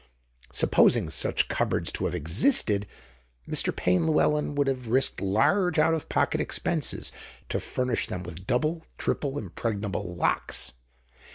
Supposing such cupboards to have existed, Mr. Payne Llewelyn would have risked large out of pocket expenses to furnish them with double, triple, impregnable locks.